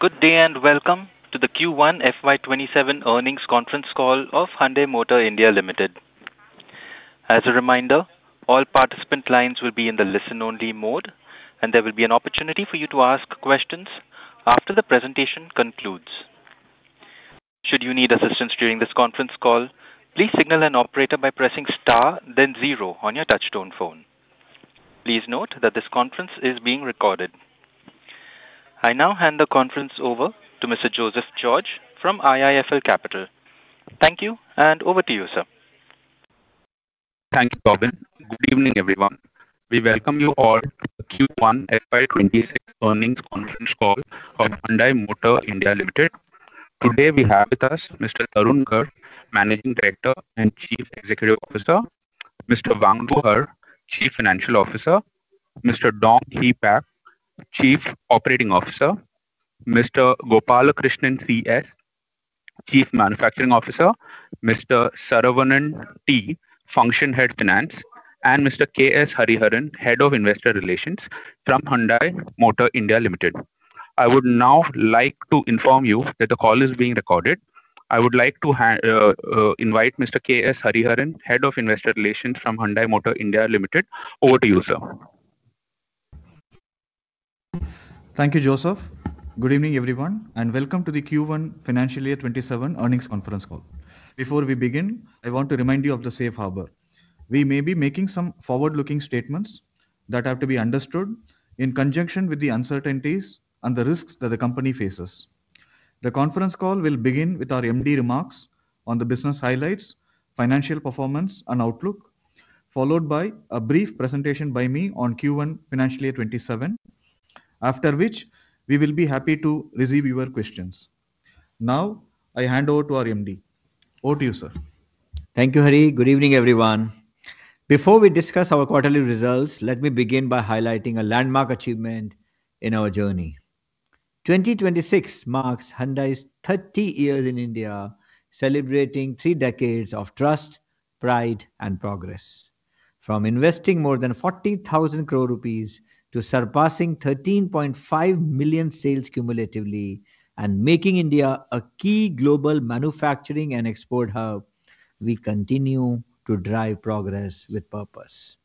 Good day. Welcome to the Q1 FY 2027 earnings conference call of Hyundai Motor India Limited. As a reminder, all participant lines will be in the listen-only mode, and there will be an opportunity for you to ask questions after the presentation concludes. Should you need assistance during this conference call, please signal an operator by pressing star then zero on your touchtone phone. Please note that this conference is being recorded. I now hand the conference over to Mr. Joseph George from IIFL Capital. Thank you. Over to you, sir. Thank you, Robin. Good evening, everyone. We welcome you all to the Q1 FY 2026 earnings conference call of Hyundai Motor India Limited. Today we have with us Mr. Tarun Garg, Managing Director and Chief Executive Officer, Mr. Hwang Do Yeon, Chief Financial Officer, Mr. Dong Hee Pak, Chief Operating Officer, Mr. Gopalakrishnan C. S., Chief Manufacturing Officer, Mr. Saravanan T., Function Head Finance, and Mr. KS Hariharan, Head of Investor Relations from Hyundai Motor India Limited. I would now like to inform you that the call is being recorded. I would like to invite Mr. KS Hariharan, Head of Investor Relations from Hyundai Motor India Limited. Over to you, sir. Thank you, Joseph. Good evening, everyone. Welcome to the Q1 financial year 2027 earnings conference call. Before we begin, I want to remind you of the safe harbor. We may be making some forward-looking statements that have to be understood in conjunction with the uncertainties and the risks that the company faces. The conference call will begin with our Managing Director remarks on the business highlights, financial performance, and outlook, followed by a brief presentation by me on Q1 financial year 2027. After which, we will be happy to receive your questions. I hand over to our Managing Director. Over to you, sir. Thank you, Hari. Good evening, everyone. Before we discuss our quarterly results, let me begin by highlighting a landmark achievement in our journey. 2026 marks Hyundai's 30 years in India, celebrating three decades of trust, pride, and progress. From investing more than 40,000 crore rupees to surpassing 13.5 million sales cumulatively and making India a key global manufacturing and export hub, we continue to drive progress with purpose.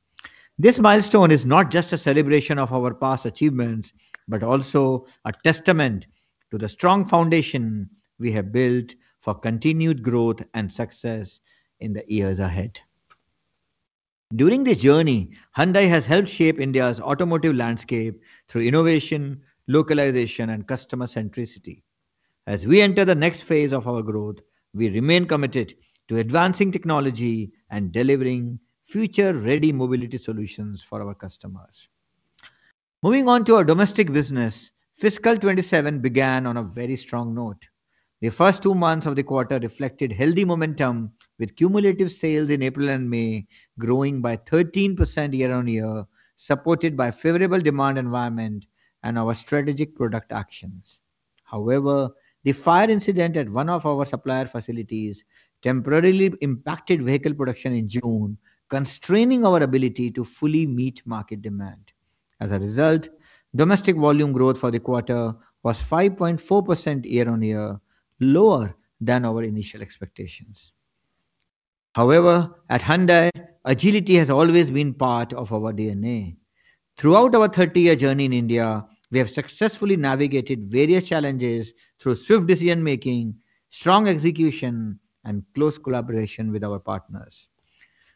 This milestone is not just a celebration of our past achievements, but also a testament to the strong foundation we have built for continued growth and success in the years ahead. During this journey, Hyundai has helped shape India's automotive landscape through innovation, localization, and customer centricity. As we enter the next phase of our growth, we remain committed to advancing technology and delivering future-ready mobility solutions for our customers. Moving on to our domestic business, fiscal 2027 began on a very strong note. The first two months of the quarter reflected healthy momentum with cumulative sales in April and May growing by 13% year-on-year, supported by a favorable demand environment and our strategic product actions. However, the fire incident at one of our supplier facilities temporarily impacted vehicle production in June, constraining our ability to fully meet market demand. As a result, domestic volume growth for the quarter was 5.4% year-on-year, lower than our initial expectations. However, at Hyundai, agility has always been part of our DNA. Throughout our 30-year journey in India, we have successfully navigated various challenges through swift decision-making, strong execution, and close collaboration with our partners.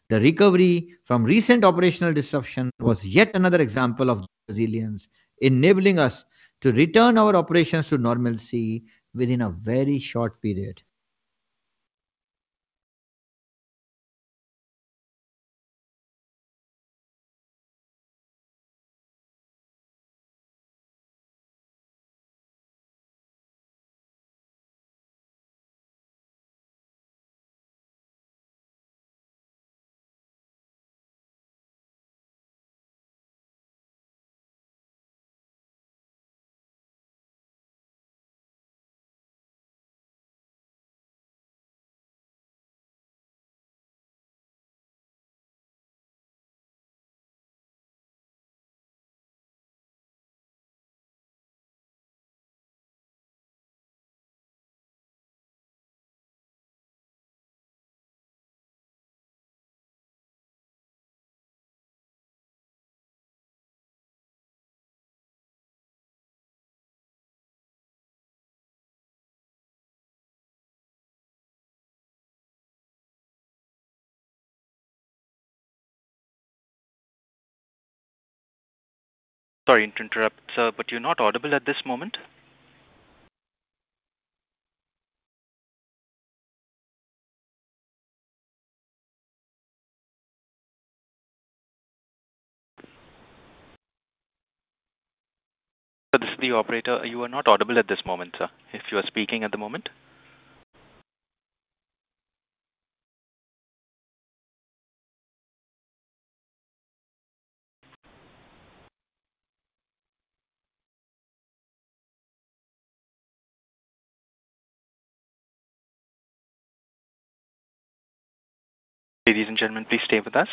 The recovery from recent operational disruption was yet another example of resilience, enabling us to return our operations to normalcy within a very short period. Sorry to interrupt, sir, but you're not audible at this moment. This is the operator. You are not audible at this moment, sir. If you are speaking at the moment. Ladies and gentlemen, please stay with us.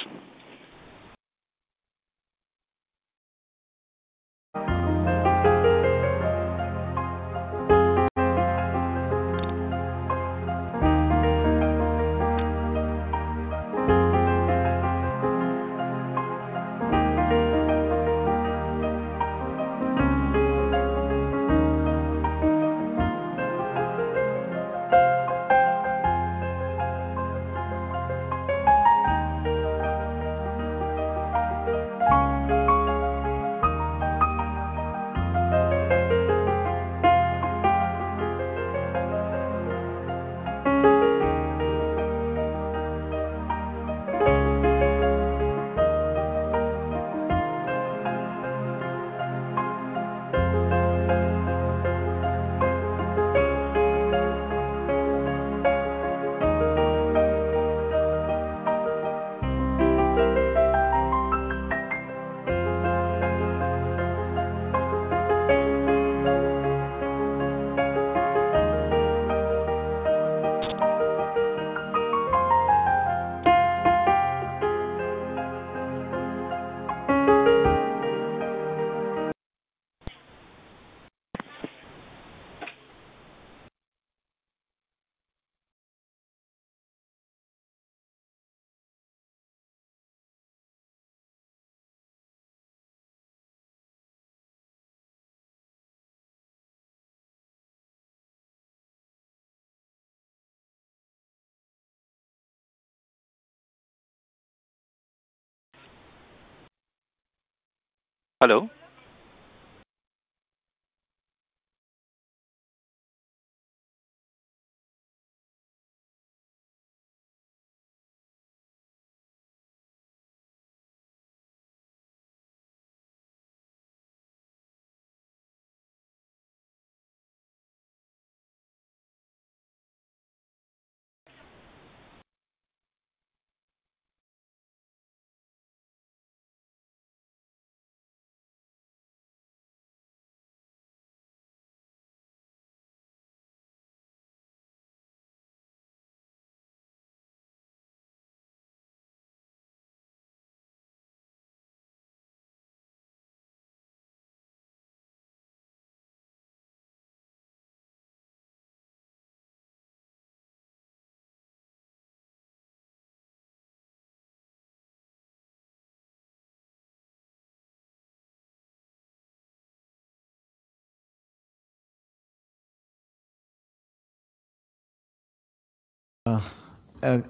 Hello?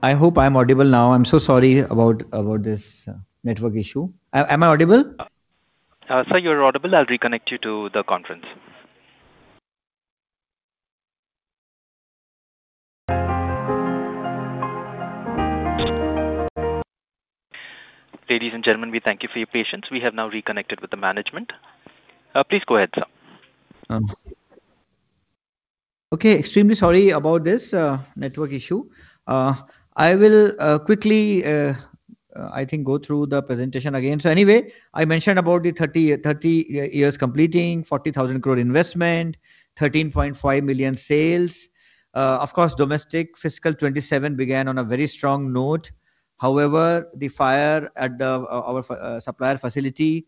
I hope I'm audible now. I'm so sorry about this network issue. Am I audible? Sir, you're audible. I'll reconnect you to the conference. Ladies and gentlemen, we thank you for your patience. We have now reconnected with the management. Please go ahead, sir. Okay. Extremely sorry about this network issue. I will quickly go through the presentation again. I mentioned about the 30 years completing, 40,000 crore investment, 13.5 million sales. Domestic FY 2027 began on a very strong note. However, the fire at our supplier facility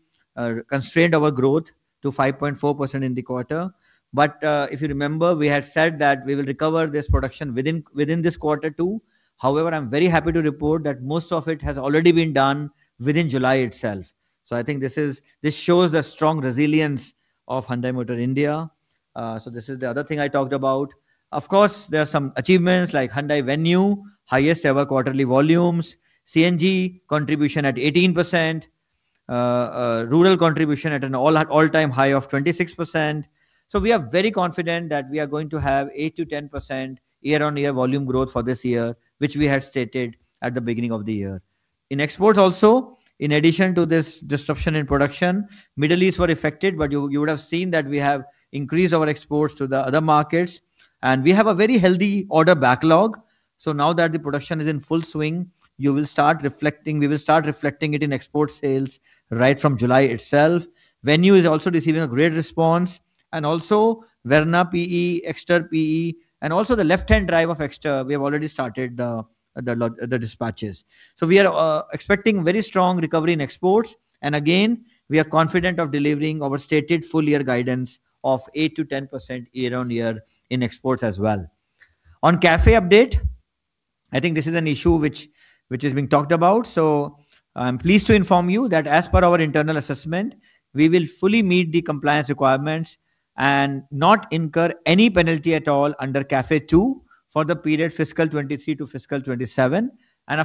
constrained our growth to 5.4% in the quarter. If you remember, we had said that we will recover this production within this quarter, too. However, I'm very happy to report that most of it has already been done within July itself. This shows the strong resilience of Hyundai Motor India. This is the other thing I talked about. There are some achievements like Hyundai Venue, highest ever quarterly volumes, CNG contribution at 18%, rural contribution at an all-time high of 26%. We are very confident that we are going to have 8%-10% year-over-year volume growth for this year, which we had stated at the beginning of the year. In exports also, in addition to this disruption in production, Middle East were affected, you would have seen that we have increased our exports to the other markets, and we have a very healthy order backlog. Now that the production is in full swing, we will start reflecting it in export sales right from July itself. Venue is also receiving a great response, and also Verna PE, EXTER PE, and also the LHD of EXTER, we have already started the dispatches. We are expecting very strong recovery in exports. We are confident of delivering our stated full year guidance of 8%-10% year-over-year in exports as well. On CAFE update, this is an issue which is being talked about. I'm pleased to inform you that as per our internal assessment, we will fully meet the compliance requirements and not incur any penalty at all under CAFE-2 for the period FY 2023 to FY 2027. FY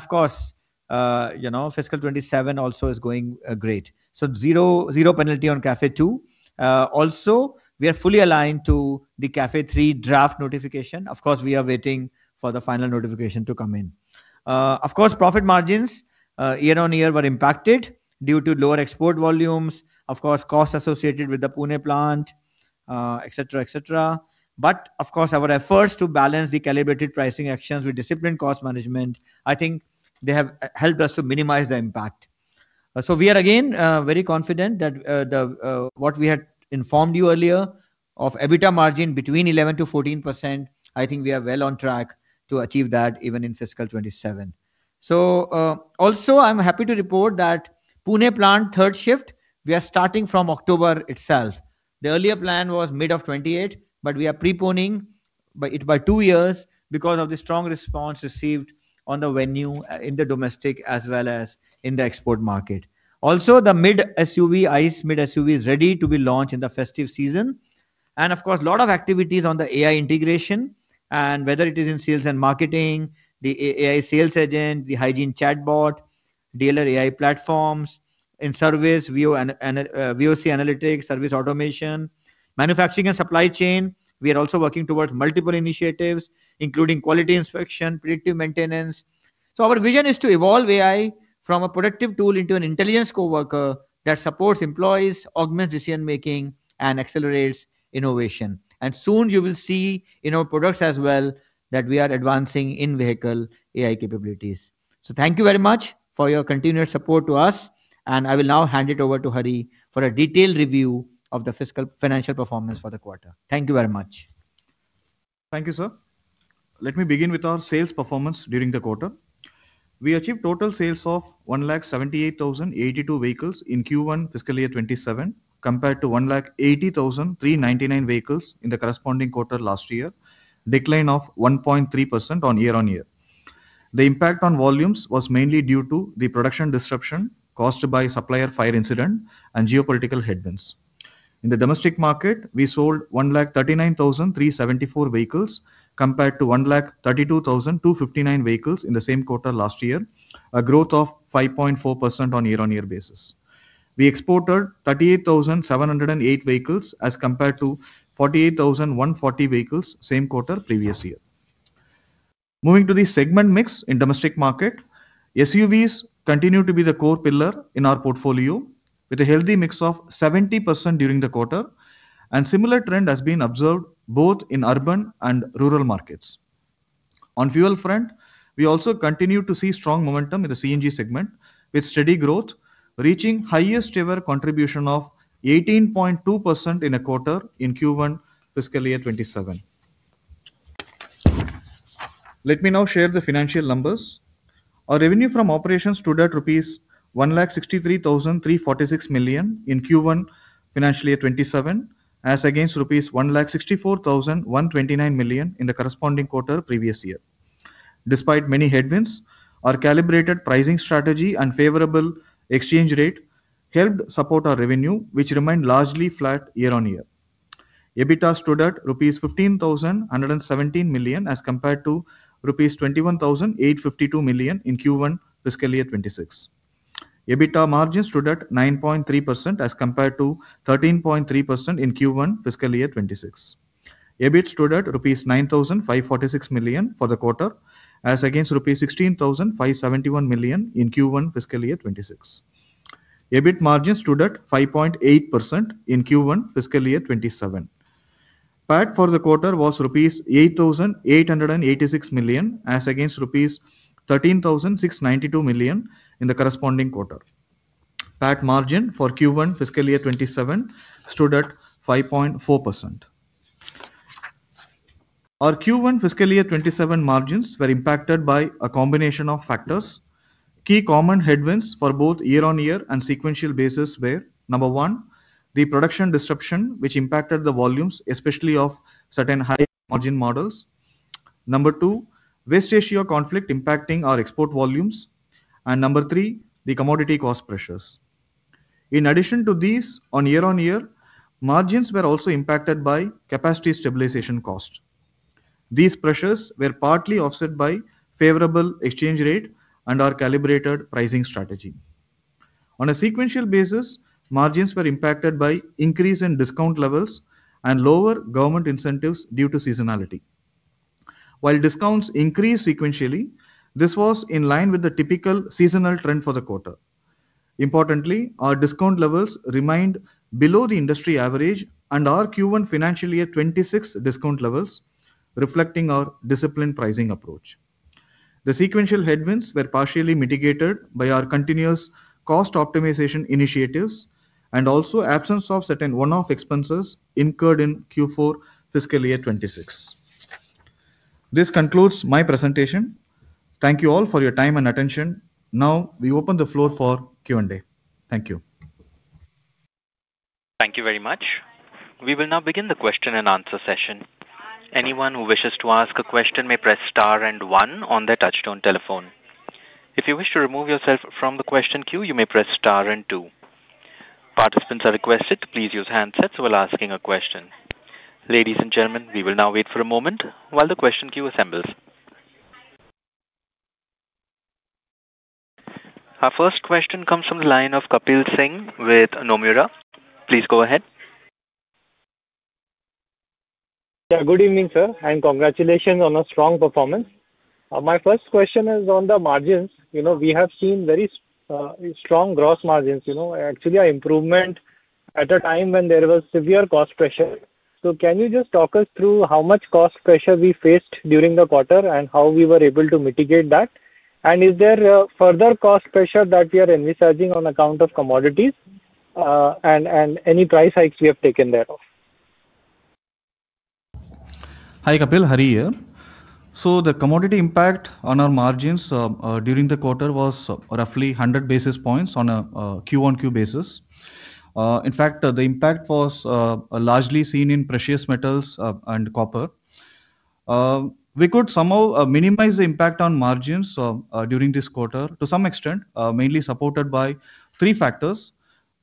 2027 also is going great. Zero penalty on CAFE-2. We are fully aligned to the CAFE-3 draft notification. We are waiting for the final notification to come in. Profit margins year-over-year were impacted due to lower export volumes, costs associated with the Pune plant, et cetera. Our efforts to balance the calibrated pricing actions with disciplined cost management, they have helped us to minimize the impact. We are very confident that what we had informed you earlier of EBITDA margin between 11%-14%, we are well on track to achieve that even in FY 2027. I'm happy to report that Pune plant third shift, we are starting from October itself. The earlier plan was mid-2028, we are preponing it by two years because of the strong response received on the Venue in the domestic as well as in the export market. The ICE mid SUV is ready to be launched in the festive season. A lot of activities on the AI integration whether it is in sales and marketing, the AI sales agent, the hygiene chatbot, dealer AI platforms, in service, VOC analytics, service automation, manufacturing and supply chain. We are also working towards multiple initiatives, including quality inspection, predictive maintenance. Our vision is to evolve AI from a productive tool into an intelligence coworker that supports employees, augments decision making, and accelerates innovation. Soon you will see in our products as well that we are advancing in-vehicle AI capabilities. Thank you very much for your continued support to us, and I will now hand it over to Hari for a detailed review of the fiscal financial performance for the quarter. Thank you very much. Thank you, sir. Let me begin with our sales performance during the quarter. We achieved total sales of 178,082 vehicles in Q1 FY 2027, compared to 180,399 vehicles in the corresponding quarter last year, a decline of 1.3% year-over-year. The impact on volumes was mainly due to the production disruption caused by supplier fire incident and geopolitical headwinds. In the domestic market, we sold 139,374 vehicles compared to 132,259 vehicles in the same quarter last year, a growth of 5.4% year-over-year basis. We exported 38,708 vehicles as compared to 48,140 vehicles same quarter previous year. Moving to the segment mix in domestic market, SUVs continue to be the core pillar in our portfolio, with a healthy mix of 70% during the quarter, a similar trend has been observed both in urban and rural markets. On fuel front, we also continue to see strong momentum in the CNG segment, with steady growth reaching highest ever contribution of 18.2% in a quarter in Q1 FY 2027. Let me now share the financial numbers. Our revenue from operations stood at rupees 163,346 million in Q1 FY 2027, as against rupees 164,129 million in the corresponding quarter previous year. Despite many headwinds, our calibrated pricing strategy and favorable exchange rate helped support our revenue, which remained largely flat year-over-year. EBITDA stood at rupees 15,117 million, as compared to rupees 21,852 million in Q1 FY 2026. EBITDA margin stood at 9.3% as compared to 13.3% in Q1 FY 2026. EBITDA stood at rupees 9,546 million for the quarter as against rupees 16,571 million in Q1 FY 2026. EBITDA margin stood at 5.8% in Q1 FY 2027. PAT for the quarter was rupees 8,886 million, as against rupees 13,692 million in the corresponding quarter. PAT margin for Q1 FY 2027 stood at 5.4%. Our Q1 FY 2027 margins were impacted by a combination of factors. Key common headwinds for both year-over-year and sequential basis were, number one, the production disruption, which impacted the volumes, especially of certain high margin models. Number two, West Asia conflict impacting our export volumes. Number three, the commodity cost pressures. In addition to these, year-over-year, margins were also impacted by capacity stabilization cost. These pressures were partly offset by favorable exchange rate and our calibrated pricing strategy. On a sequential basis, margins were impacted by increase in discount levels and lower government incentives due to seasonality. While discounts increased sequentially, this was in line with the typical seasonal trend for the quarter. Importantly, our discount levels remained below the industry average and our Q1 FY 2026 discount levels, reflecting our disciplined pricing approach. The sequential headwinds were partially mitigated by our continuous cost optimization initiatives and also absence of certain one-off expenses incurred in Q4 FY 2026. This concludes my presentation. Thank you all for your time and attention. Now, we open the floor for Q&A. Thank you. Thank you very much. We will now begin the question and answer session. Anyone who wishes to ask a question may press star one on their touchtone telephone. If you wish to remove yourself from the question queue, you may press star two. Participants are requested to please use handsets while asking a question. Ladies and gentlemen, we will now wait for a moment while the question queue assembles. Our first question comes from the line of Kapil Singh with Nomura. Please go ahead. Yeah. Good evening, sir. Congratulations on a strong performance. My first question is on the margins. We have seen very strong gross margins. Actually, an improvement at a time when there was severe cost pressure. Can you just talk us through how much cost pressure we faced during the quarter, how we were able to mitigate that? Is there further cost pressure that we are envisaging on account of commodities, any price hikes we have taken thereof? Hi, Kapil. Hari here. The commodity impact on our margins during the quarter was roughly 100 basis points on a Q1-Q basis. In fact, the impact was largely seen in precious metals and copper. We could somehow minimize the impact on margins during this quarter to some extent, mainly supported by three factors.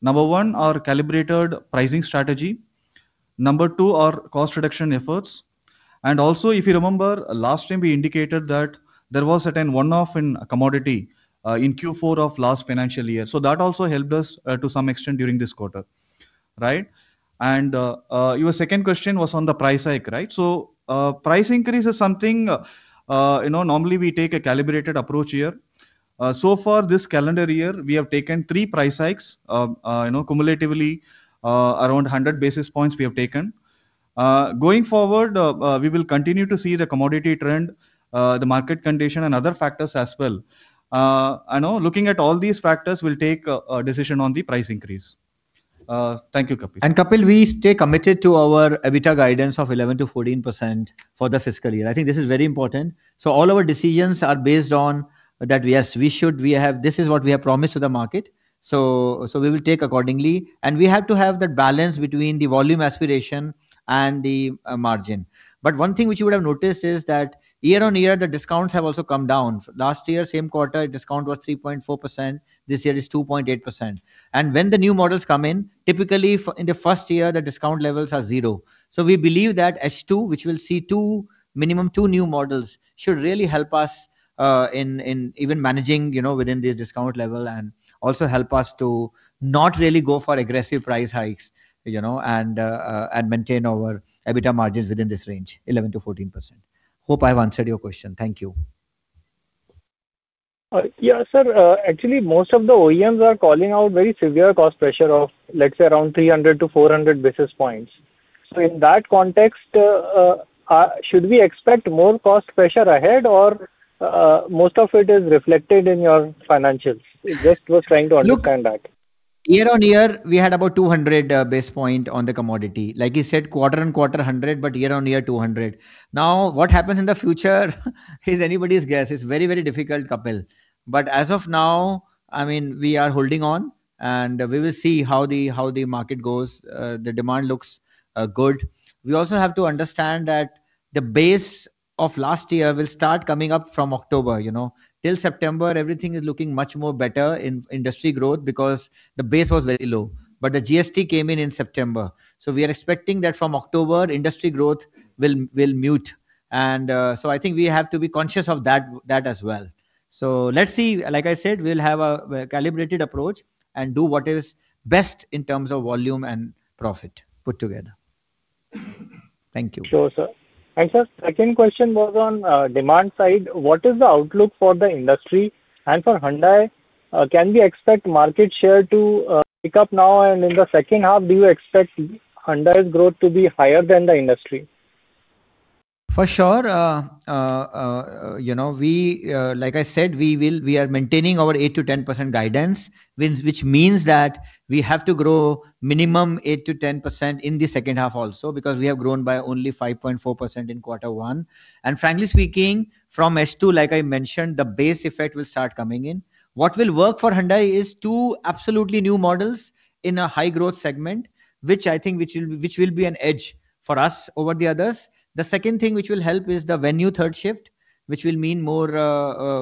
Number one, our calibrated pricing strategy. Number two, our cost reduction efforts. Also, if you remember, last time we indicated that there was a certain one-off in commodity in Q4 of last financial year. That also helped us to some extent during this quarter. Right? Your second question was on the price hike, right? Price increase is something, normally we take a calibrated approach here. So far this calendar year, we have taken three price hikes, cumulatively around 100 basis points we have taken. Going forward, we will continue to see the commodity trend, the market condition, and other factors as well. Looking at all these factors, we'll take a decision on the price increase. Thank you, Kapil. Kapil, we stay committed to our EBITDA guidance of 11%-14% for the fiscal year. I think this is very important. All our decisions are based on that this is what we have promised to the market, we will take accordingly. We have to have that balance between the volume aspiration and the margin. One thing which you would have noticed is that year-over-year, the discounts have also come down. Last year, same quarter, discount was 3.4%. This year is 2.8%. When the new models come in, typically in the first year, the discount levels are zero. We believe that H2, which we'll see minimum two new models, should really help us in even managing within the discount level and also help us to not really go for aggressive price hikes, and maintain our EBITDA margins within this range, 11%-14%. Hope I've answered your question. Thank you. Yeah, sir. Actually, most of the OEMs are calling out very severe cost pressure of, let's say, around 300-400 basis points. In that context, should we expect more cost pressure ahead or most of it is reflected in your financials? Just was trying to understand that. Look, year-on-year, we had about 200 basis points on the commodity. Like you said, quarter-on-quarter, 100, year-on-year, 200. Now, what happens in the future is anybody's guess. It's very difficult, Kapil Singh. As of now, we are holding on, and we will see how the market goes. The demand looks good. We also have to understand that the base of last year will start coming up from October. Till September, everything is looking much more better in industry growth because the base was very low. The GST came in in September. We are expecting that from October, industry growth will mute. I think we have to be conscious of that as well. Let's see. Like I said, we'll have a calibrated approach and do what is best in terms of volume and profit put together. Thank you. Sure, sir. Sir, second question was on demand side. What is the outlook for the industry and for Hyundai? Can we expect market share to pick up now? In the second half, do you expect Hyundai's growth to be higher than the industry? For sure. Like I said, we are maintaining our 8%-10% guidance, which means that we have to grow minimum 8%-10% in the second half also, because we have grown by only 5.4% in quarter one. Frankly speaking, from H2, like I mentioned, the base effect will start coming in. What will work for Hyundai is two absolutely new models in a high growth segment, which I think will be an edge for us over the others. The second thing which will help is the Venue third shift, which will mean more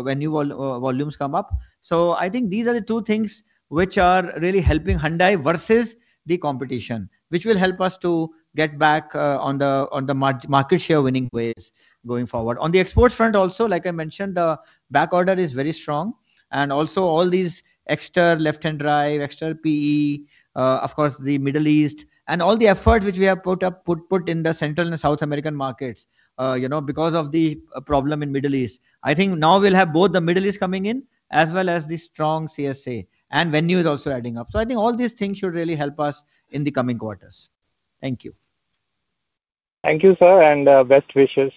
Venue volumes come up. I think these are the two things which are really helping Hyundai versus the competition, which will help us to get back on the market share winning ways going forward. On the export front also, like I mentioned, the back order is very strong. Also all these extra LHD, extra PE, of course the Middle East, and all the effort which we have put in the Central and South American markets, because of the problem in Middle East. I think now we'll have both the Middle East coming in as well as the strong CSA. Venue is also adding up. I think all these things should really help us in the coming quarters. Thank you. Thank you, sir, and best wishes.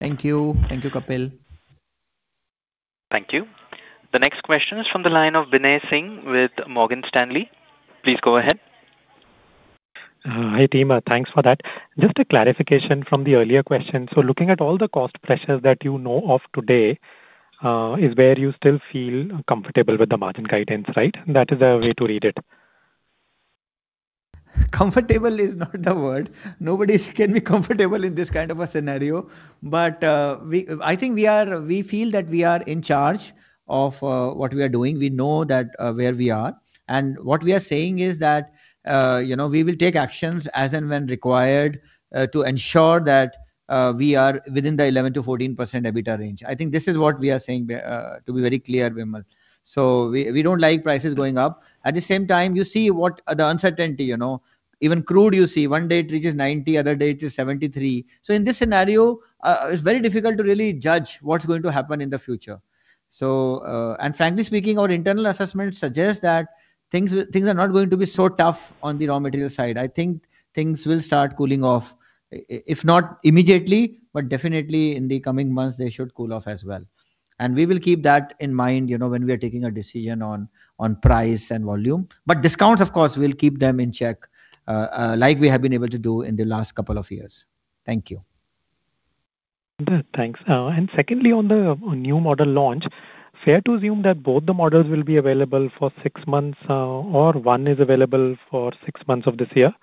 Thank you. Thank you, Kapil. Thank you. The next question is from the line of Binay Singh with Morgan Stanley. Please go ahead. Hi, team. Thanks for that. Just a clarification from the earlier question. Looking at all the cost pressures that you know of today, is where you still feel comfortable with the margin guidance, right? That is the way to read it. Comfortable is not the word. Nobody can be comfortable in this kind of a scenario. I think we feel that we are in charge of what we are doing. We know where we are. What we are saying is that, we will take actions as and when required, to ensure that we are within the 11%-14% EBITDA range. I think this is what we are saying, to be very clear, Binay. We don't like prices going up. At the same time, you see what the uncertainty. Even crude, you see one day it reaches 90, other day it is 73. In this scenario, it's very difficult to really judge what's going to happen in the future. Frankly speaking, our internal assessment suggests that things are not going to be so tough on the raw material side. I think things will start cooling off, if not immediately, but definitely in the coming months, they should cool off as well. We will keep that in mind when we are taking a decision on price and volume. Discounts, of course, we'll keep them in check, like we have been able to do in the last couple of years. Thank you. Thanks. Secondly, on the new model launch, fair to assume that both the models will be available for six months, or one is available for six months of this year?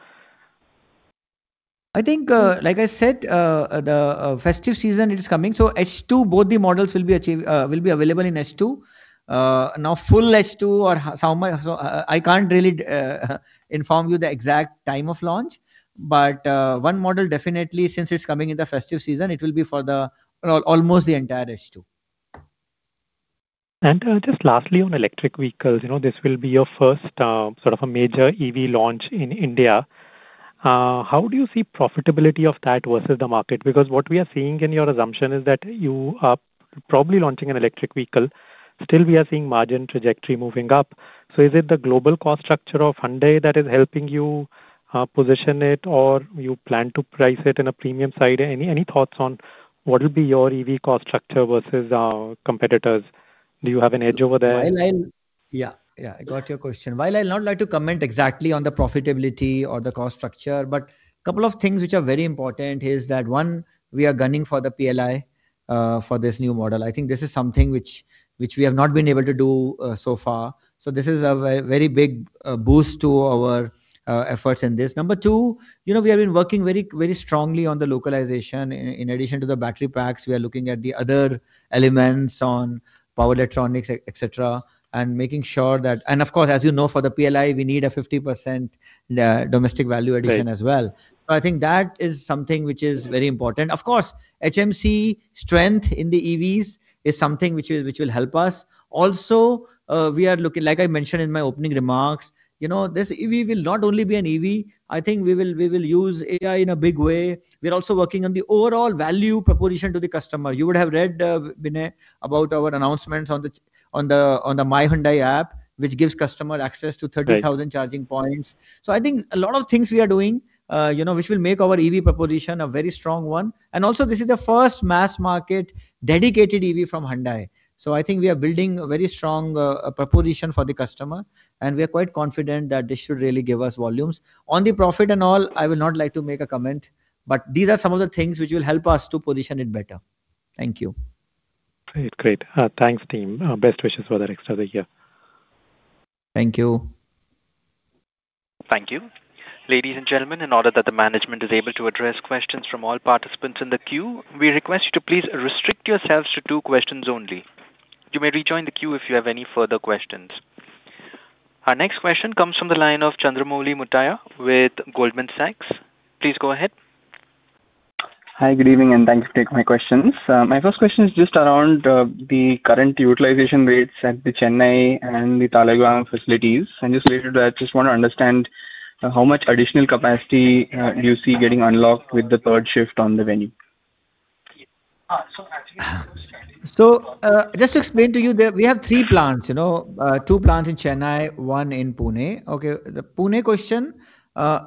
I think, like I said, the festive season it is coming. H2, both the models will be available in H2. Now, full H2 or how much, I can't really inform you the exact time of launch. One model definitely, since it's coming in the festive season, it will be for almost the entire H2. Just lastly, on electric vehicles, this will be your first sort of a major EV launch in India. How do you see profitability of that versus the market? Because what we are seeing in your assumption is that you are probably launching an electric vehicle. Still we are seeing margin trajectory moving up. Is it the global cost structure of Hyundai that is helping you position it, or you plan to price it in a premium side? Any thoughts on what will be your EV cost structure versus competitors? Do you have an edge over there? Yeah. I got your question. While I'll not like to comment exactly on the profitability or the cost structure, couple of things which are very important is that, one, we are gunning for the PLI for this new model. I think this is something which we have not been able to do so far. This is a very big boost to our efforts in this. Number two, we have been working very strongly on the localization. In addition to the battery packs, we are looking at the other elements on power electronics, et cetera, and making sure that, of course, as you know, for the PLI, we need a 50% domestic value addition as well. Right. I think that is something which is very important. Of course, HMC strength in the EVs is something which will help us. Also, we are looking, like I mentioned in my opening remarks, this EV will not only be an EV, I think we will use AI in a big way. We're also working on the overall value proposition to the customer. You would have read, Binay, about our announcements on the myHyundai app, which gives customer access to 30,000 charging points. Right. I think a lot of things we are doing, which will make our EV proposition a very strong one. Also this is the first mass market dedicated EV from Hyundai. I think we are building a very strong proposition for the customer, and we are quite confident that this should really give us volumes. On the profit and all, I will not like to make a comment, but these are some of the things which will help us to position it better. Thank you. Great. Thanks, team. Best wishes for the next other year. Thank you. Thank you. Ladies and gentlemen, in order that the management is able to address questions from all participants in the queue, we request you to please restrict yourselves to two questions only. You may rejoin the queue if you have any further questions. Our next question comes from the line of Chandramouli Muthiah with Goldman Sachs. Please go ahead. Hi, good evening and thanks for taking my questions. My first question is just around the current utilization rates at the Chennai and the Talegaon facilities. I just want to understand how much additional capacity do you see getting unlocked with the third shift on the Venue? Just to explain to you, we have three plants. two plants in Chennai, one in Pune. The Pune question,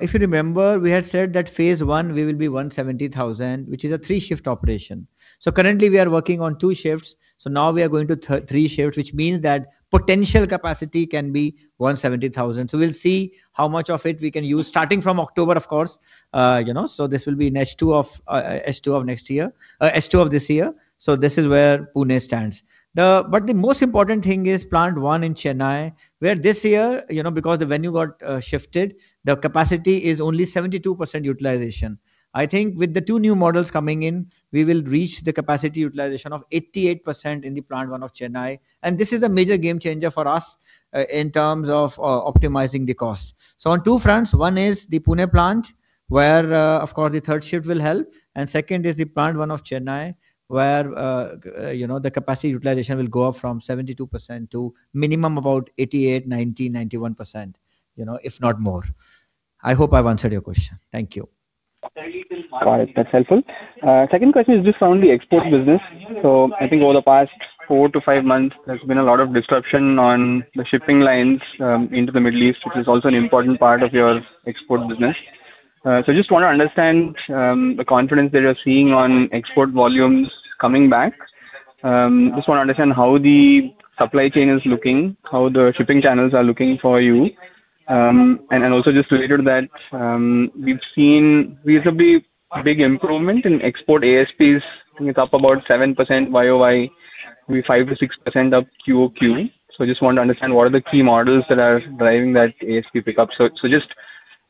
if you remember, we had said that phase I we will be 170,000, which is a three shift operation. Currently we are working on two shifts. Now we are going to three shifts, which means that potential capacity can be 170,000. We'll see how much of it we can use starting from October, of course. This will be in H2 of this year. This is where Pune stands. The most important thing is plant one in Chennai, where this year, because the Venue got shifted, the capacity is only 72% utilization. I think with the two new models coming in, we will reach the capacity utilization of 88% in the plant one of Chennai. This is a major game changer for us in terms of optimizing the cost. On two fronts. One is the Pune plant where, of course, the third shift will help. Second is the plant one of Chennai, where the capacity utilization will go up from 72% to minimum about 88%, 90%, 91%, if not more. I hope I've answered your question. Thank you. Got it. That's helpful. Second question is just on the export business. I think over the past four to five months, there's been a lot of disruption on the shipping lines into the Middle East, which is also an important part of your export business. I just want to understand the confidence that you're seeing on export volumes coming back. Just want to understand how the supply chain is looking, how the shipping channels are looking for you. Also just related to that, we've seen reasonably big improvement in export ASPs. I think it's up about 7% year-over-year, 5%-6% up quarter-over-quarter. I just want to understand what are the key models that are driving that ASP pickup. Just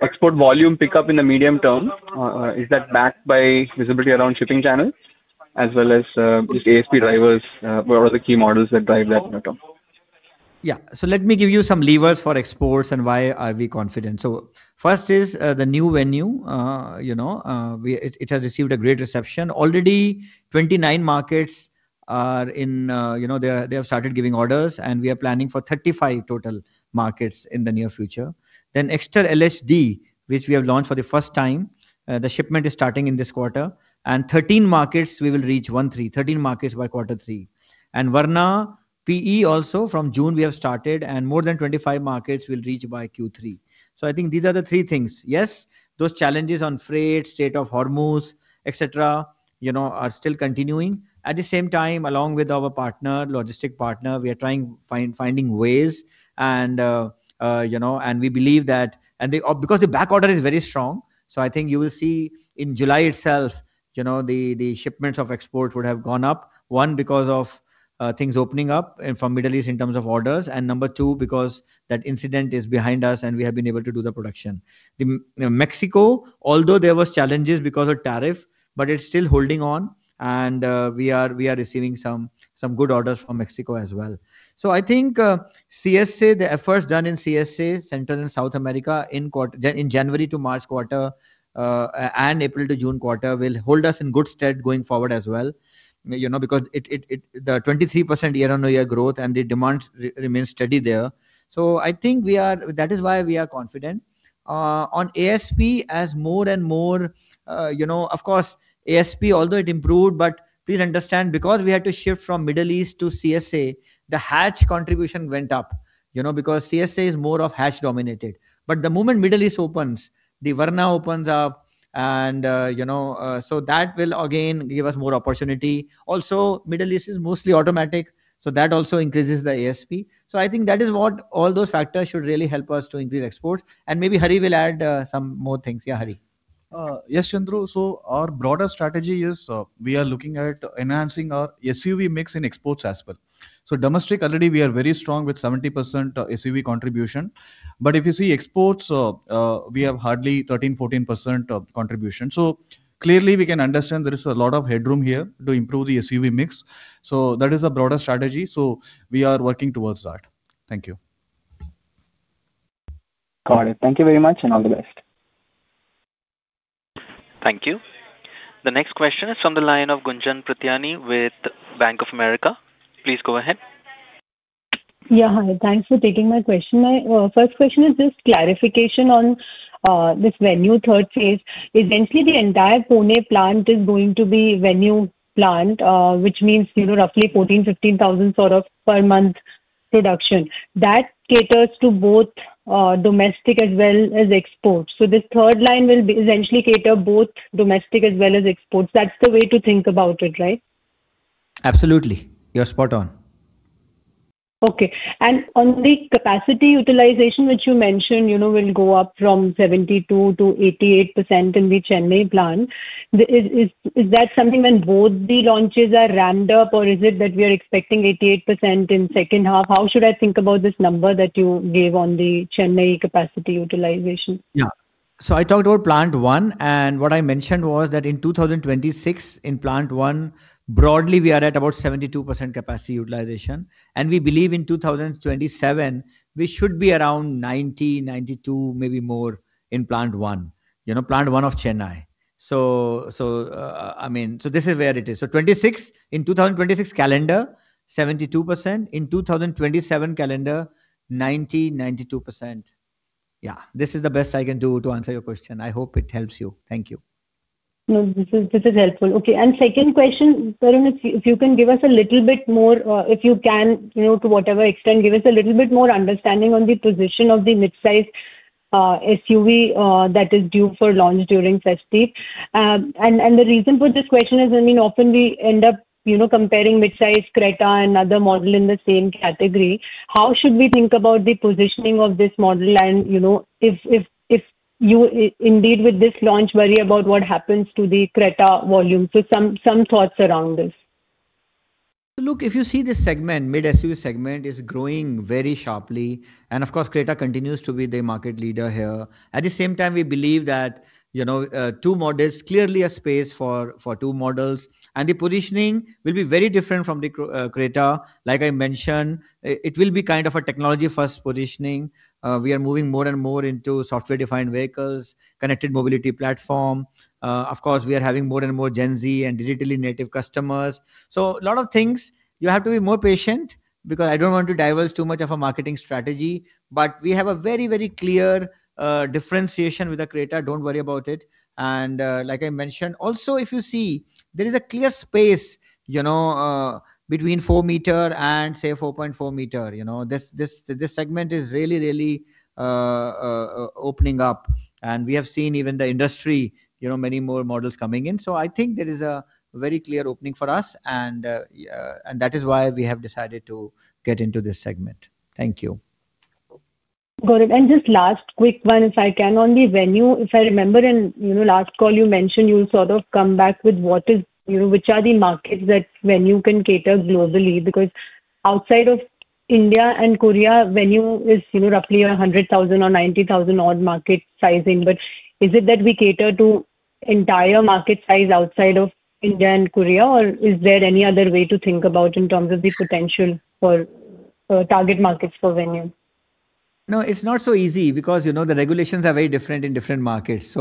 export volume pickup in the medium term, is that backed by visibility around shipping channels as well as ASP drivers? What are the key models that drive that momentum? Let me give you some levers for exports and why are we confident. First is, the new Venue. It has received a great reception. Already 29 markets are in-- they have started giving orders, and we are planning for 35 total markets in the near future. Exter LHD, which we have launched for the first time. The shipment is starting in this quarter. 13 markets we will reach. 13 markets by quarter three. Verna PE also from June we have started and more than 25 markets will reach by Q3. I think these are the three things. Yes, those challenges on freight, Strait of Hormuz, et cetera, are still continuing. At the same time, along with our logistic partner, we are trying finding ways and we believe that. The back order is very strong, I think you will see in July itself, the shipments of exports would have gone up, one because of things opening up from Middle East in terms of orders, and number two, because that incident is behind us and we have been able to do the production. Mexico, although there was challenges because of tariff, it's still holding on and we are receiving some good orders from Mexico as well. I think CSA, the efforts done in CSA, Central and South America, in January to March quarter, and April to June quarter, will hold us in good stead going forward as well. The 23% year-on-year growth and the demand remains steady there. I think that is why we are confident. On ASP, of course, ASP, although it improved, please understand, we had to shift from Middle East to CSA, the hatch contribution went up, CSA is more of hatch-dominated. The moment Middle East opens, the Verna opens up, that will again give us more opportunity. Also, Middle East is mostly automatic, that also increases the ASP. I think that is what all those factors should really help us to increase exports, and maybe Hari will add some more things. Hari. Yes, Chandru. Our broader strategy is we are looking at enhancing our SUV mix in exports as well. Domestic already we are very strong with 70% SUV contribution. If you see exports, we have hardly 13, 14% of contribution. Clearly, we can understand there is a lot of headroom here to improve the SUV mix. That is a broader strategy. We are working towards that. Thank you. Got it. Thank you very much, and all the best. Thank you. The next question is on the line of Gunjan Prithyani with Bank of America. Please go ahead. Hi. Thanks for taking my question. My first question is just clarification on this Venue third phase. Essentially, the entire Pune plant is going to be Venue plant, which means roughly 14,000, 15,000 sort of per month production. That caters to both domestic as well as exports. This third line will essentially cater both domestic as well as exports. That's the way to think about it, right? Absolutely. You're spot on. Okay. On the capacity utilization, which you mentioned will go up from 72% to 88% in the Chennai plant. Is that something when both the launches are ramped up, or is it that we are expecting 88% in second half? How should I think about this number that you gave on the Chennai capacity utilization? I talked about plant one, what I mentioned was that in 2026, in plant one, broadly, we are at about 72% capacity utilization, we believe in 2027, we should be around 90%, 92%, maybe more in plant one. Plant one of Chennai. This is where it is. In 2026 calendar, 72%. In 2027 calendar, 90%, 92%. This is the best I can do to answer your question. I hope it helps you. Thank you. No, this is helpful. Okay, second question, Tarun, if you can give us a little bit more, if you can, to whatever extent, give us a little bit more understanding on the position of the midsize SUV that is due for launch during festive. The reason for this question is, often we end up comparing midsize CRETA and other model in the same category. How should we think about the positioning of this model and, if you indeed with this launch worry about what happens to the CRETA volume? Some thoughts around this. Look, if you see this segment, mid-SUV segment is growing very sharply, and of course, CRETA continues to be the market leader here. At the same time, we believe that two models, clearly a space for two models, and the positioning will be very different from the CRETA. Like I mentioned, it will be kind of a technology-first positioning. We are moving more and more into software-defined vehicles, connected mobility platform. Of course, we are having more and more Gen Z and digitally native customers. A lot of things, you have to be more patient because I don't want to diverge too much of a marketing strategy. But we have a very, very clear differentiation with the CRETA, don't worry about it. Like I mentioned, also, if you see, there is a clear space between four meter and, say, 4.4 meter. This segment is really opening up. We have seen even the industry, many more models coming in. I think there is a very clear opening for us, and that is why we have decided to get into this segment. Thank you. Got it. Just last quick one, if I can, on the Venue. If I remember in last call you mentioned you will sort of come back with which are the markets that Venue can cater globally, because outside of India and Korea, Venue is roughly 100,000 or 90,000 odd market sizing. Is it that we cater to entire market size outside of India and Korea, or is there any other way to think about in terms of the potential for target markets for Venue? It's not so easy because the regulations are very different in different markets.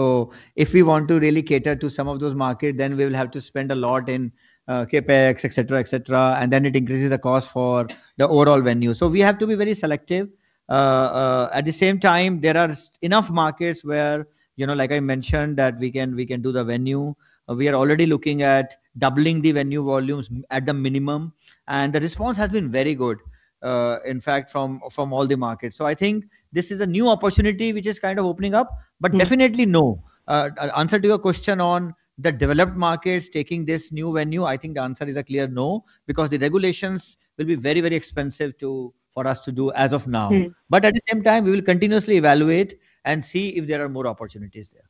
If we want to really cater to some of those market, then we will have to spend a lot in CapEx, et cetera. Then it increases the cost for the overall Venue. We have to be very selective. At the same time, there are enough markets where, like I mentioned, that we can do the Venue. We are already looking at doubling the Venue volumes at the minimum, and the response has been very good, in fact, from all the markets. I think this is a new opportunity which is kind of opening up. Definitely no. Answer to your question on the developed markets taking this new Venue, I think the answer is a clear no, because the regulations will be very expensive for us to do as of now. At the same time, we will continuously evaluate and see if there are more opportunities there.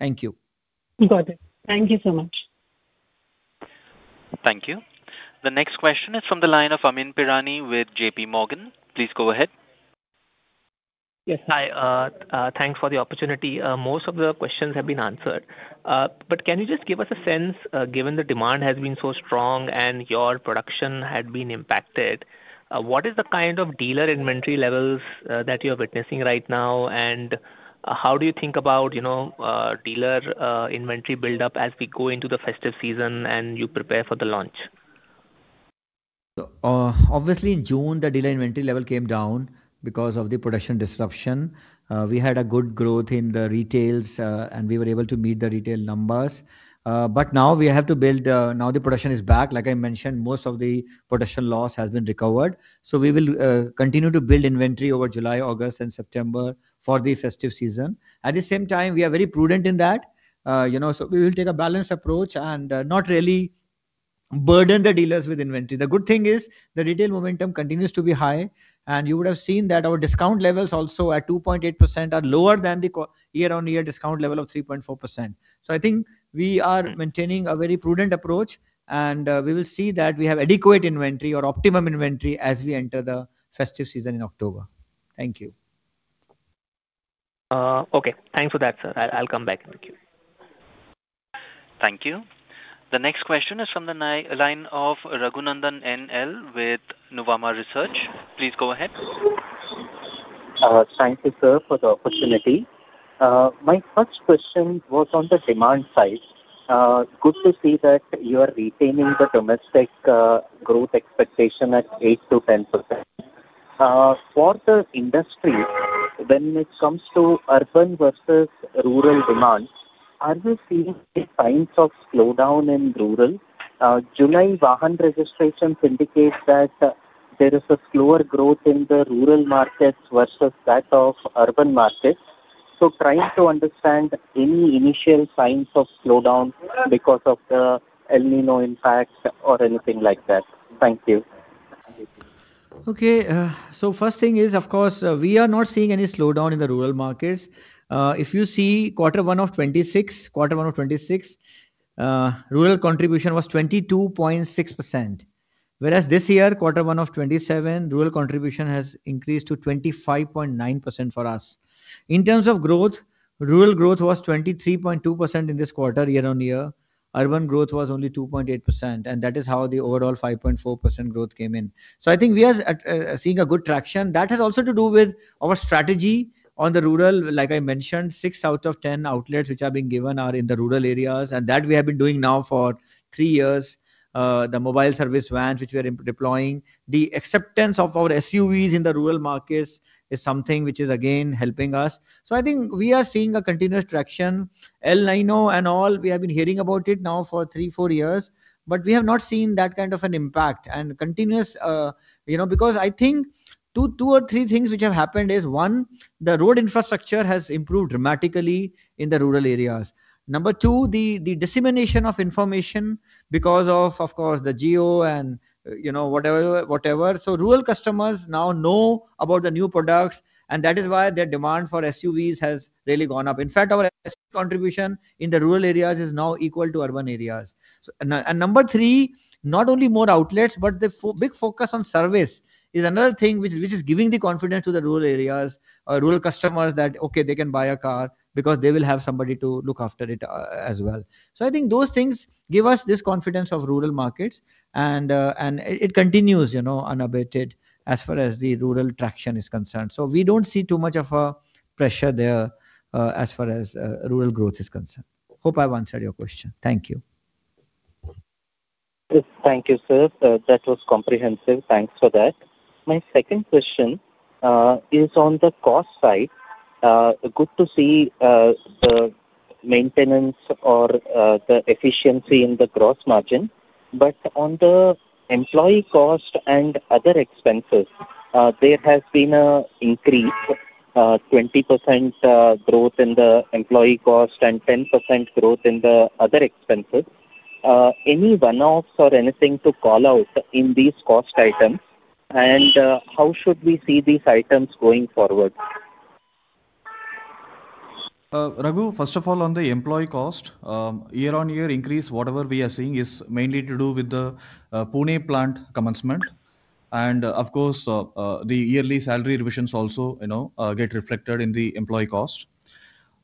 Thank you. Got it. Thank you so much. Thank you. The next question is from the line of Amyn Pirani with JP Morgan. Please go ahead. Yes. Hi. Thanks for the opportunity. Most of the questions have been answered. Can you just give us a sense, given the demand has been so strong and your production had been impacted, what is the kind of dealer inventory levels that you're witnessing right now, and how do you think about dealer inventory build-up as we go into the festive season and you prepare for the launch? Obviously, in June, the dealer inventory level came down because of the production disruption. We had a good growth in the retails, and we were able to meet the retail numbers. Now the production is back. Like I mentioned, most of the production loss has been recovered. We will continue to build inventory over July, August, and September for the festive season. At the same time, we are very prudent in that. We will take a balanced approach and not really burden the dealers with inventory. The good thing is the retail momentum continues to be high, and you would have seen that our discount levels also at 2.8% are lower than the year-on-year discount level of 3.4%. I think we are maintaining a very prudent approach, and we will see that we have adequate inventory or optimum inventory as we enter the festive season in October. Thank you. Okay. Thanks for that, sir. I'll come back in the queue. Thank you. The next question is from the line of Raghunandhan NL with Nuvama Research. Please go ahead. Thank you, sir, for the opportunity. My first question was on the demand side. Good to see that you are retaining the domestic growth expectation at 8%-10%. For the industry, when it comes to urban versus rural demand, are you seeing any signs of slowdown in rural? July Vahan registrations indicate that there is a slower growth in the rural markets versus that of urban markets. Trying to understand any initial signs of slowdown because of the El Niño impact or anything like that. Thank you. First thing is, of course, we are not seeing any slowdown in the rural markets. If you see quarter 1 of 2026, rural contribution was 22.6%, whereas this year, quarter 1 of 2027, rural contribution has increased to 25.9% for us. In terms of growth, rural growth was 23.2% in this quarter year-on-year. Urban growth was only 2.8%, and that is how the overall 5.4% growth came in. I think we are seeing a good traction. That has also to do with our strategy on the rural. Like I mentioned, six out of 10 outlets which are being given are in the rural areas. And that we have been doing now for three years. The mobile service vans, which we are deploying. The acceptance of our SUVs in the rural markets is something which is again helping us. I think we are seeing a continuous traction. El Niño and all, we have been hearing about it now for three, four years, but we have not seen that kind of an impact and continuous. Because I think two or three things which have happened is, one, the road infrastructure has improved dramatically in the rural areas. Number two, the dissemination of information because of course, the Jio and whatever. Rural customers now know about the new products, and that is why their demand for SUVs has really gone up. In fact, our SUV contribution in the rural areas is now equal to urban areas. Number three, not only more outlets, but the big focus on service is another thing which is giving the confidence to the rural areas or rural customers that, okay, they can buy a car because they will have somebody to look after it as well. I think those things give us this confidence of rural markets, and it continues unabated as far as the rural traction is concerned. We don't see too much of a pressure there as far as rural growth is concerned. Hope I've answered your question. Thank you. Yes. Thank you, sir. That was comprehensive. Thanks for that. My second question is on the cost side. Good to see the maintenance or the efficiency in the gross margin. On the employee cost and other expenses, there has been an increase, 20% growth in the employee cost and 10% growth in the other expenses. Any one-offs or anything to call out in these cost items? How should we see these items going forward? Ragu, first of all, on the employee cost, year-on-year increase, whatever we are seeing is mainly to do with the Pune Plant commencement. Of course, the yearly salary revisions also get reflected in the employee cost.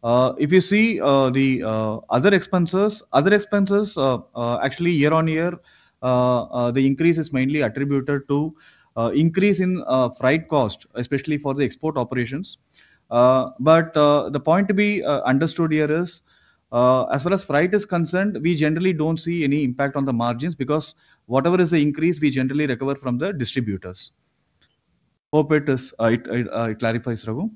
If you see the other expenses, actually year-on-year, the increase is mainly attributed to increase in freight cost, especially for the export operations. The point to be understood here is, as far as freight is concerned, we generally don't see any impact on the margins because whatever is the increase, we generally recover from the distributors. Hope it clarifies, Raghu.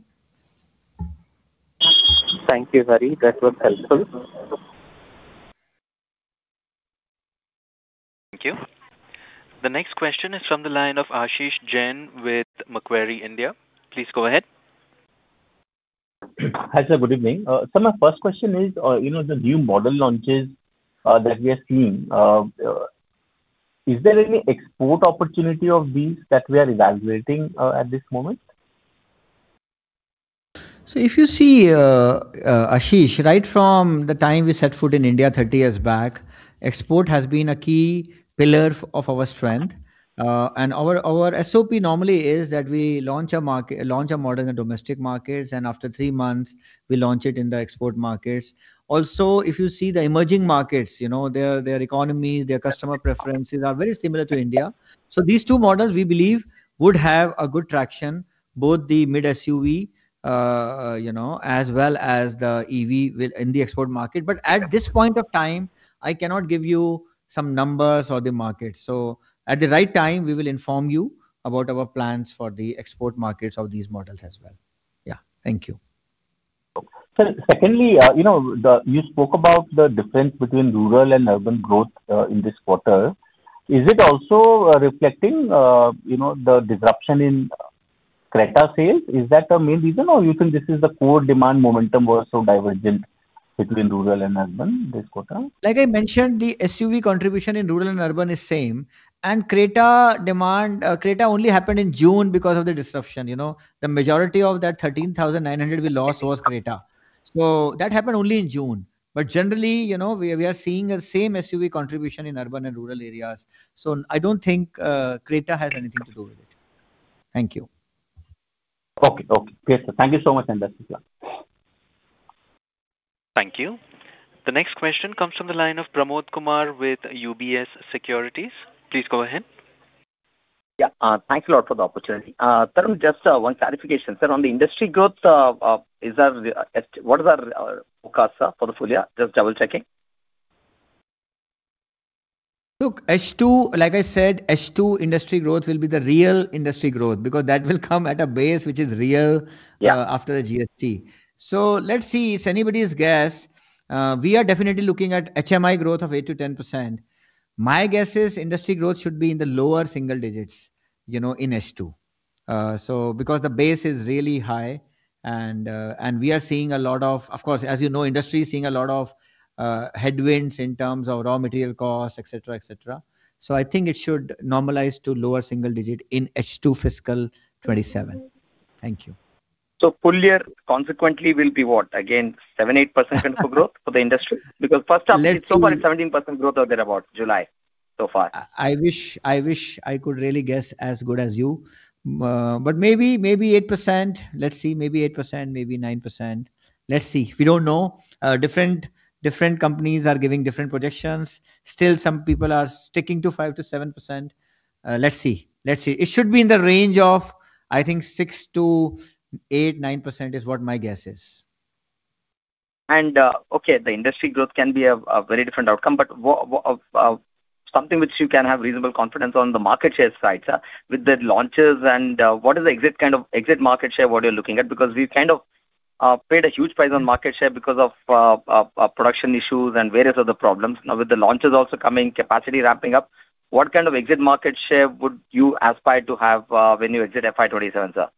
Thank you, Hari. That was helpful. Thank you. The next question is from the line of Ashish Jain with Macquarie Group. Please go ahead. Hi, sir. Good evening. Sir, my first question is, the new model launches that we are seeing, is there any export opportunity of these that we are evaluating at this moment? If you see, Ashish, right from the time we set foot in India 30 years back, export has been a key pillar of our strength. Our SOP normally is that we launch a model in domestic markets. After three months, we launch it in the export markets. If you see the emerging markets, their economy, their customer preferences are very similar to India. These two models, we believe, would have a good traction, both the mid SUV, as well as the EV in the export market. At this point of time, I cannot give you some numbers or the market. At the right time, we will inform you about our plans for the export markets of these models as well. Yeah, thank you. Sir, secondly, you spoke about the difference between rural and urban growth, in this quarter. Is it also reflecting the disruption in CRETA sales? Is that the main reason or you think this is the core demand momentum was so divergent between rural and urban this quarter? Like I mentioned, the SUV contribution in rural and urban is same. CRETA only happened in June because of the disruption. The majority of that 13,900 we lost was CRETA. That happened only in June. Generally, we are seeing a same SUV contribution in urban and rural areas. I don't think CRETA has anything to do with it. Thank you. Okay. Great, sir. Thank you so much, and best of luck. Thank you. The next question comes from the line of Pramod Kumar with UBS Securities. Please go ahead. Yeah. Thanks a lot for the opportunity. Tarun, just one clarification, sir. On the industry growth, what is our forecast, sir, for the full year? Just double-checking. Look, H2, like I said, H2 industry growth will be the real industry growth because that will come at a base which is real after the GST. Let's see. It's anybody's guess. We are definitely looking at HMI growth of 8% to 10%. My guess is industry growth should be in the lower single digits in H2. The base is really high and, of course, as you know, industry is seeing a lot of headwinds in terms of raw material costs, et cetera. I think it should normalize to lower single digit in H2 fiscal 2027. Thank you. Full year, consequently, will be what? Again, 7%, 8% for growth for the industry? First half, so far it's 17% growth or thereabout July, so far. I wish I could really guess as good as you. Maybe 8%. Let's see. Maybe 8%, maybe 9%. Let's see. We don't know. Different companies are giving different projections. Still, some people are sticking to 5% to 7%. Let's see. It should be in the range of, I think 6% to 8%, 9%, is what my guess is. Okay, the industry growth can be a very different outcome, but something which you can have reasonable confidence on the market share side, sir, with the launches and what is the exit market share, what you're looking at? We've paid a huge price on market share because of production issues and various other problems. Now with the launches also coming, capacity ramping up, what kind of exit market share would you aspire to have when you exit FY 2027, sir?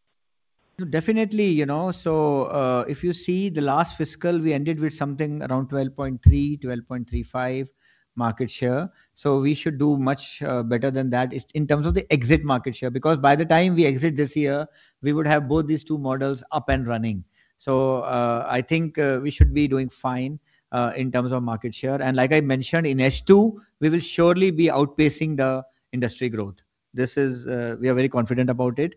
Definitely. If you see the last fiscal, we ended with something around 12.3%, 12.35% market share. We should do much better than that in terms of the exit market share, because by the time we exit this year, we would have both these two models up and running. I think we should be doing fine in terms of market share. Like I mentioned, in H2, we will surely be outpacing the industry growth. We are very confident about it.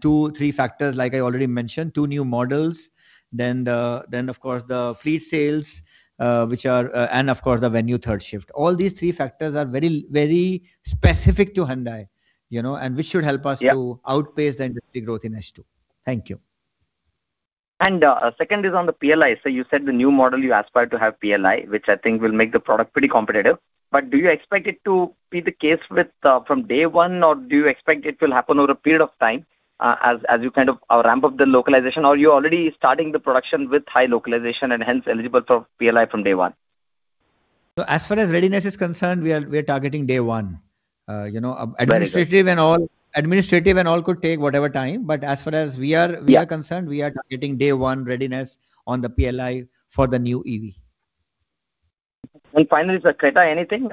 Two, three factors, like I already mentioned, two new models, then, of course, the fleet sales, and of course the Venue third shift. All these three factors are very specific to Hyundai, and which should help us to outpace the industry growth in H2. Thank you. Second is on the PLI. You said the new model you aspire to have PLI, which I think will make the product pretty competitive, do you expect it to be the case from day one or do you expect it will happen over a period of time, as you ramp up the localization? You're already starting the production with high localization and hence eligible for PLI from day one? As far as readiness is concerned, we are targeting day one. Very good. Administrative and all could take whatever time, as far as we are concerned. We are targeting day one readiness on the PLI for the new EV. Finally, sir, CRETA anything?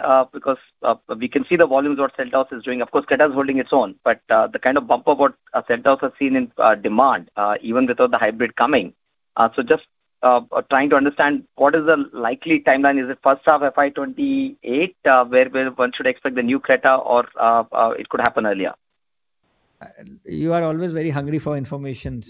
We can see the volumes what Seltos is doing. Of course, CRETA is holding its own. The kind of bump of what Seltos has seen in demand, even without the hybrid coming. Just trying to understand what is the likely timeline. Is it first half FY 2028, where one should expect the new CRETA or it could happen earlier? You are always very hungry for information.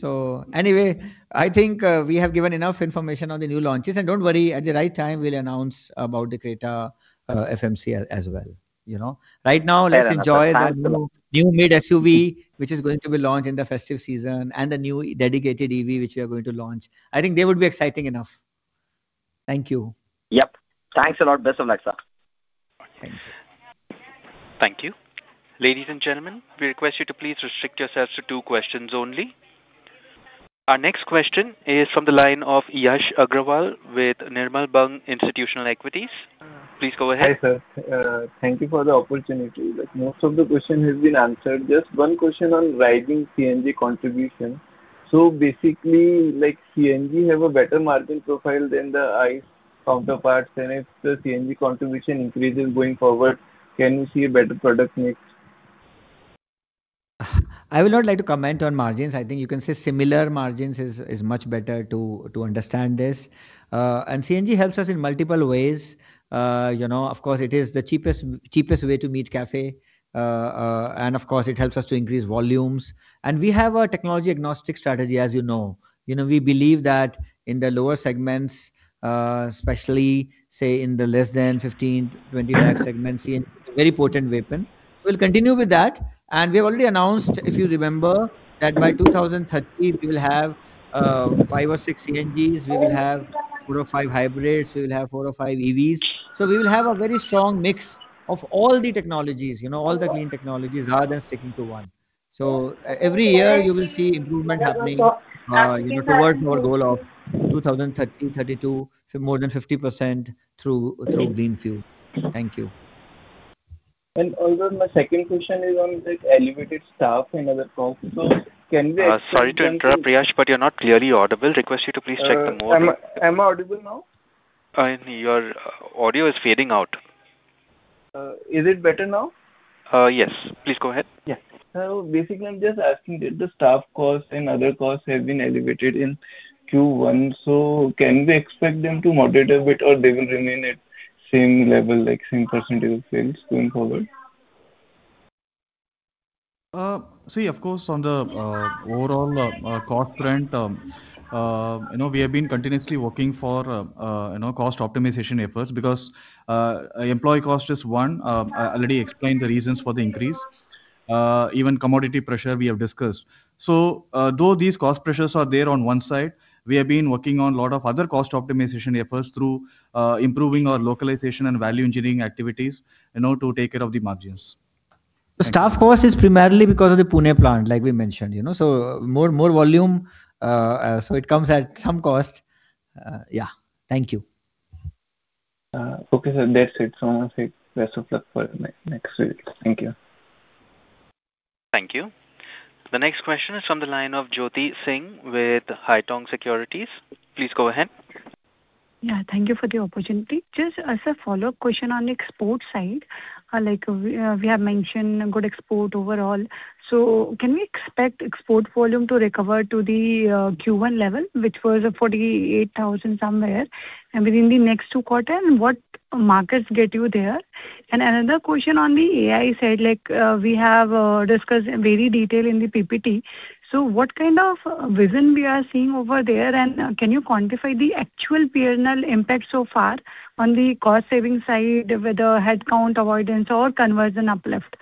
Anyway, I think we have given enough information on the new launches. Don't worry, at the right time, we'll announce about the CRETA FMC as well. Right now, let's enjoy- Fair enough. Thanks a lot The new mid SUV, which is going to be launched in the festive season, and the new dedicated EV, which we are going to launch. I think they would be exciting enough. Thank you. Yep. Thanks a lot. Best of luck, sir. Thank you. Thank you. Ladies and gentlemen, we request you to please restrict yourselves to two questions only. Our next question is from the line of Yash Agarwal with Nirmal Bang Institutional Equities. Please go ahead. Hi, sir. Thank you for the opportunity. Most of the questions have been answered. Just one question on rising CNG contribution. Basically, CNG has a better margin profile than the ICE counterparts, and if the CNG contribution increases going forward, can we see a better product mix? I would not like to comment on margins. I think you can say similar margins is much better to understand this. CNG helps us in multiple ways. Of course, it is the cheapest way to meet CAFE, and of course, it helps us to increase volumes. We have a technology agnostic strategy, as you know. We believe that in the lower segments, especially, say, in the less than 15, 20 lakh segments, CNG is a very potent weapon. We'll continue with that. We've already announced, if you remember, that by 2030, we will have five or six CNGs, we will have four or five hybrids, we will have four or five EVs. We will have a very strong mix of all the technologies, all the clean technologies, rather than sticking to one. Every year you will see improvement happening towards our goal of 2030, 32, more than 50% through green fuel. Thank you. Also my second question is on the elevated staff and other costs. Can we expect... Sorry to interrupt, Yash, you're not clearly audible. Request you to please check the mode. Am I audible now? Your audio is fading out. Is it better now? Yes. Please go ahead. Yeah. Basically, I'm just asking, did the staff costs and other costs have been elevated in Q1, so can we expect them to moderate a bit, or they will remain at same level, like same % of sales going forward? On the overall cost front, we have been continuously working for cost optimization efforts because employee cost is one. I already explained the reasons for the increase. Even commodity pressure, we have discussed. Though these cost pressures are there on one side, we have been working on a lot of other cost optimization efforts through improving our localization and value engineering activities in order to take care of the margins. The staff cost is primarily because of the Pune plant, like we mentioned. More volume, so it comes at some cost. Yeah. Thank you. Okay, sir. That's it. I want to say best of luck for next results. Thank you. Thank you. The next question is from the line of Jyoti Singh with Haitong Securities. Please go ahead. Thank you for the opportunity. Just as a follow-up question on export side, we have mentioned good export overall. Can we expect export volume to recover to the Q1 level, which was a 48,000 somewhere? Within the next two quarter, what markets get you there? Another question on the AI side, we have discussed in very detail in the PPT. What kind of vision we are seeing over there, and can you quantify the actual P&L impact so far on the cost-saving side, whether headcount avoidance or conversion uplift?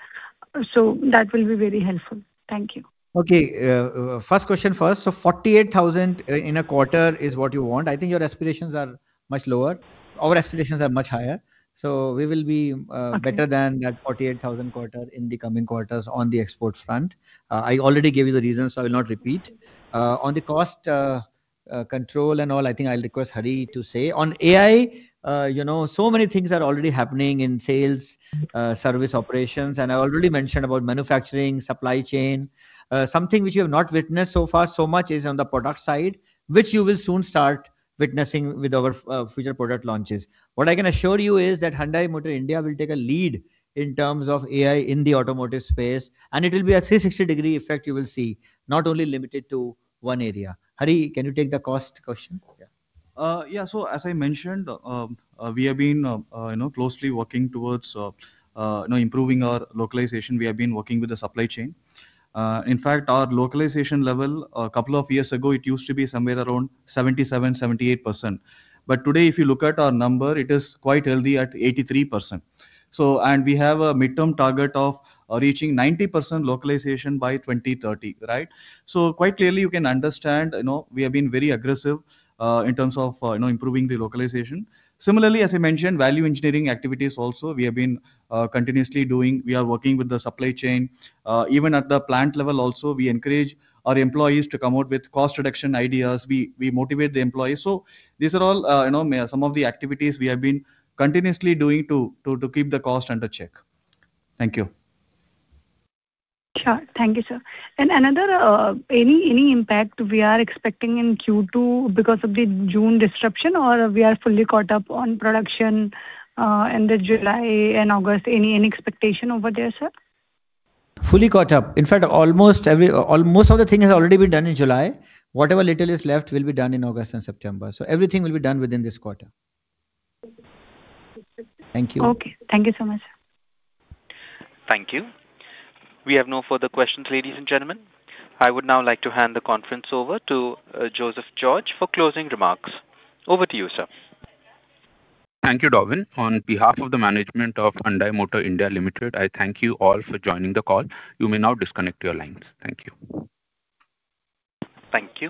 That will be very helpful. Thank you. Okay. First question first. 48,000 in a quarter is what you want. I think your aspirations are much lower. Our aspirations are much higher. We will be better than that 48,000 quarter in the coming quarters on the exports front. I already gave you the reasons, so I will not repeat. On the cost control and all, I think I'll request Hari to say. On AI, so many things are already happening in sales, service operations, and I already mentioned about manufacturing, supply chain. Something which you have not witnessed so far so much is on the product side, which you will soon start witnessing with our future product launches. What I can assure you is that Hyundai Motor India will take a lead in terms of AI in the automotive space, and it will be a 360-degree effect you will see, not only limited to one area. Hari, can you take the cost question? As I mentioned, we have been closely working towards improving our localization. We have been working with the supply chain. In fact, our localization level, a couple of years ago, it used to be somewhere around 77, 78%. Today, if you look at our number, it is quite healthy at 83%. We have a midterm target of reaching 90% localization by 2030, right? Quite clearly, you can understand, we have been very aggressive in terms of improving the localization. Similarly, as I mentioned, value engineering activities also, we have been continuously doing. We are working with the supply chain. Even at the plant level also, we encourage our employees to come out with cost reduction ideas. We motivate the employees. These are all some of the activities we have been continuously doing to keep the cost under check. Thank you. Sure. Thank you, sir. Any impact we are expecting in Q2 because of the June disruption, or we are fully caught up on production in the July and August? Any expectation over there, sir? Fully caught up. In fact, most of the thing has already been done in July. Whatever little is left will be done in August and September. Everything will be done within this quarter. Thank you. Okay. Thank you so much. Thank you. We have no further questions, ladies and gentlemen. I would now like to hand the conference over to Joseph George for closing remarks. Over to you, sir. Thank you, Davin. On behalf of the management of Hyundai Motor India Limited, I thank you all for joining the call. You may now disconnect your lines. Thank you. Thank you